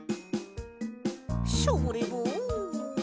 ショボレボン。